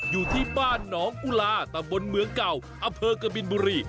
อยู่ที่บ้านหนองกุลาตำบลเมืองเก่าอำเภอกบินบุรี